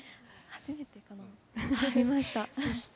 初めて見ました。